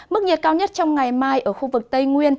mức nhiệt cao nhất trong ngày mai ở khu vực tây nguyên